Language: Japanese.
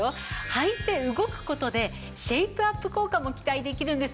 はいて動く事でシェイプアップ効果も期待できるんですよね。